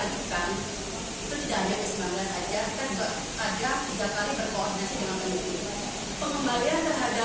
kita juga tajam tiga kali berkoordinasi dengan penyelidikan